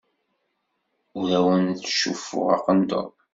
Ur awen-ttcuffuɣ aqendur.